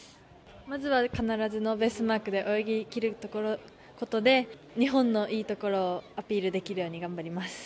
まずは必ずベースマークで泳ぎ切るところで日本のいいところをアピールできるように頑張ります。